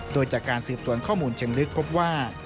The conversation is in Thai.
โดยจากการสืบสวนข้อมูลเชิงลึกพบว่า